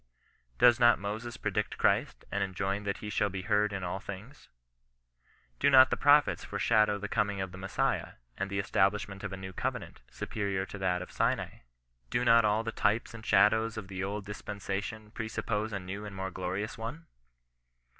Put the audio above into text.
Does not Moses predict Christ, and enjoin that he shall be heard in at things ? Do not the prophets foreshow the coming of the Messiah, and the establishment of a new covenant, superior to that of Sinai ? Do not all the types and shadows of the old dis OHBISTIAN KON BESISTANCB. 53 pmaaiion presuppose a new and more glorious one